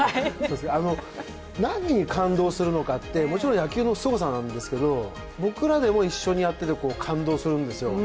何に感動するのかって、もちろん野球のすごさなんですけど、僕らでも一緒にやっていて感動するんですよ。